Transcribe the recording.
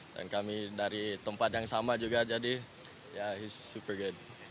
dan kami dari tempat yang sama juga jadi ya super good